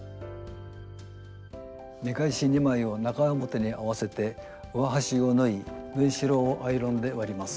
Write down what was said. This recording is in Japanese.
見返し２枚を中表に合わせて上端を縫い縫いしろをアイロンで割ります。